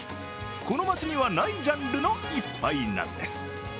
この町にはないジャンルの１杯なんです。